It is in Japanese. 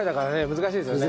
難しいですよね。